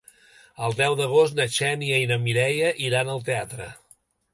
El deu d'agost na Xènia i na Mireia iran al teatre.